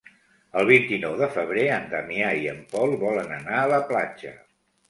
El vint-i-nou de febrer en Damià i en Pol volen anar a la platja.